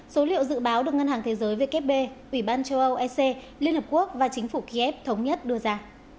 số liệu dự báo được ngân hàng thế giới vkp ủy ban châu âu ec liên hợp quốc và chính phủ kiev thống nhất đưa ra